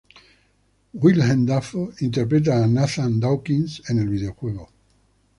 Willem Dafoe interpreta a Nathan Dawkins en el videojuego.